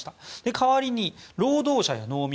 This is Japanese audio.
代わりに労働者や農民